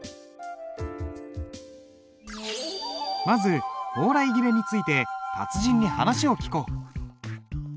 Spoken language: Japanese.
まず「蓬切」について達人に話を聞こう。